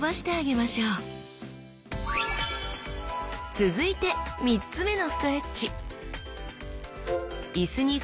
続いて３つ目のストレッチ。